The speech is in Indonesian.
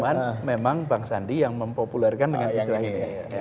cuman memang bang sandi yang mempopulerkan dengan istilah ini